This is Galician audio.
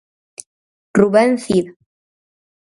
Rubén Cid.